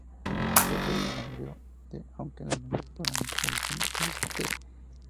Procede del hebreo גולית, aunque el nombre es probablemente de origen filisteo.